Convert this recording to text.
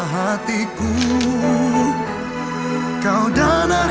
pasti nggak ada lancar